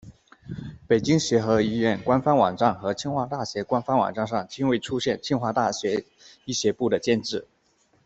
北京协和医学院官方网站和清华大学官方网站上均未出现清华大学医学部的建制。